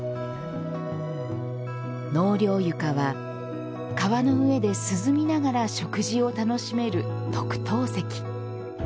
納涼床は、川の上で涼みながら食事を楽しめる特等席。